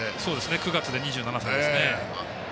９月で２７歳ですね。